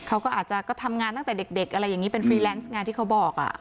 เขาก็อาจจะก็ทำงานตั้งแต่เด็กอะไรอย่างนี้เป็นฟรีแลนซ์ไงที่เขาบอก